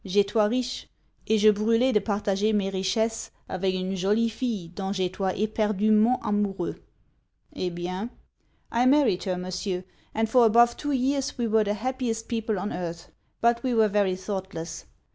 j'etois riche; et je brulez de partager mes richesse avec une jolie fille dont j'etois eperdument amoureux._' 'Eh bien?' 'I married her, Monsieur; and for above two years we were the happiest people on earth. But we were very thoughtless.